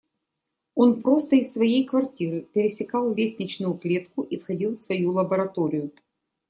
Он просто из своей квартиры пересекал лестничную площадку и входил в свою лабораторию.